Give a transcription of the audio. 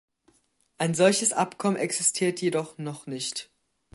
Ein solches Abkommen existiert jedoch noch nicht.